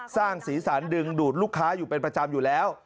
สร้างสีสันดึงดูดลูกค้าอยู่เป็นประจำอยู่แล้ว